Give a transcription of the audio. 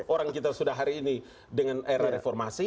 orang kita sudah hari ini dengan era reformasi